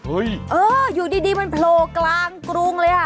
เอออยู่ดีมันโผล่กลางกรุงเลยอ่ะ